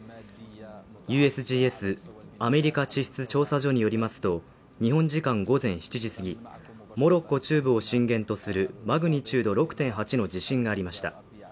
ＵＳＧＳ＝アメリカ地質調査所によりますと、日本時間午前７時過ぎ、モロッコ中部を震源とするマグニチュード６．８の地震がありました。